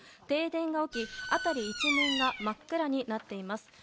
停電が起き、辺り一面が真っ暗になっています。